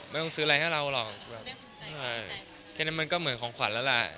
ไม่ต้องซื้ออะไรให้เราหรอกแบบแค่นั้นมันก็เหมือนของขวัญแล้วแหละ